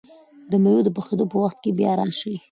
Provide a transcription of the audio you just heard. د مېوو د پخېدو په وخت کې بیا راشئ!